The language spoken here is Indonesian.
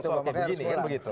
oke begini ya begitu